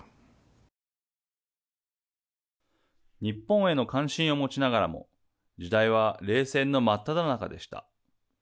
日本への関心を持ちながらも時代は冷戦のまっただ中でした。